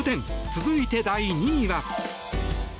続いて、第２位は。